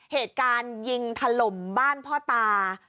เหตุการณ์ยิงถล่มบ้านพ่อตา